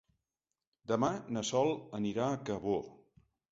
Demà na Sol anirà a Cabó.